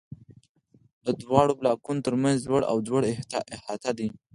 دواړو بلاکونو تر منځ لوړ او ځوړ احاطه ده.